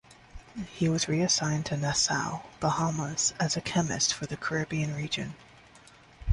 He was reassigned to Nassau, Bahamas as a Chemist for the Caribbean region.